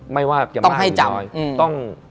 ไม่ว่าจะมากหรือน้อย